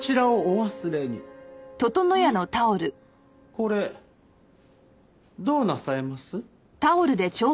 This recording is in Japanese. これどうなさいます？